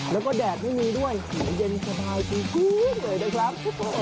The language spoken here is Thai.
แล้วก็แดดไม่มีด้วยสีเย็นสบายดีเลยนะครับ